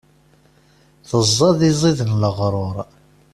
Teẓẓad iẓid n leɣrur.